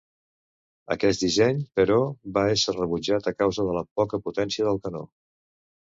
Aquest disseny, però, va ésser rebutjat a causa de la poca potència del canó.